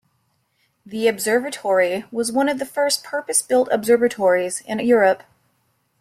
The observatory was one of the first purpose-built observatories in Europe.